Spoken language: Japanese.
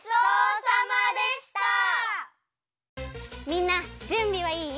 みんなじゅんびはいい？